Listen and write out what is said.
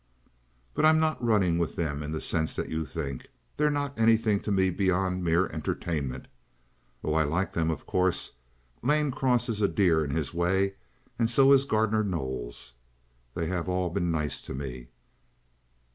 "But I'm not running with them in the sense that you think. They're not anything to me beyond mere entertainment. Oh, I like them, of course. Lane Cross is a dear in his way, and so is Gardner Knowles. They have all been nice to me."